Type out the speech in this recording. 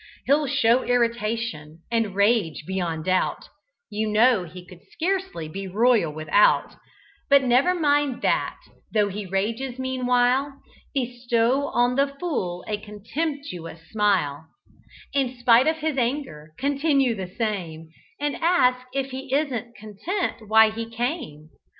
He'll show irritation; and rage, beyond doubt (You know he could scarcely be royal without); But never mind that, tho' he rages meanwhile, Bestow on the fool a contemptuous smile; In spite of his anger, continue the same, And ask 'If he isn't content, why he came?'